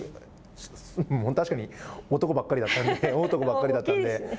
確かに男ばっかりだったんで大男ばかりだったので。